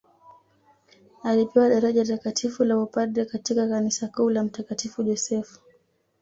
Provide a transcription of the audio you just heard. Alipewa daraja Takatifu la upadre katika kanisa kuu la mtakatifu Josefu